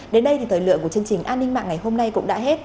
đến đây thì thời lượng của chương trình an ninh mạng ngày hôm nay cũng đã hết